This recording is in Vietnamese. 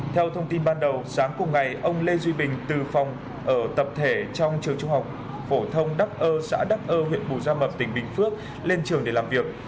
theo thông tin ban đầu sáng cùng ngày ông lê duy bình từ phòng ở tập thể trong trường trung học phổ thông đắc ơ xã đắc ơ huyện bù gia mập tỉnh bình phước lên trường để làm việc